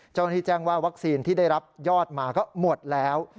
แจ้งว่าวัคซีนที่ได้รับยอดมาก็หมดแล้ว